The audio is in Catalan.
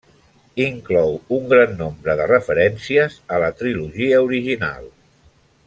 Inclou un gran nombre de referències a la trilogia original.